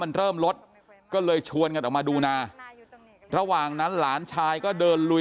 มันเริ่มลดก็เลยชวนกันออกมาดูนาระหว่างนั้นหลานชายก็เดินลุย